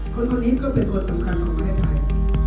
คนนี้ก็เป็นกฎสำคัญของภาคไทย